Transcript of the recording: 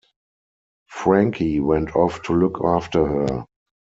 Frankie went off to look after her.